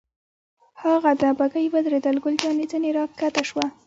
هاغه ده، بګۍ ودرېدل، ګل جانې ځنې را کښته شوه.